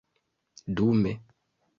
dume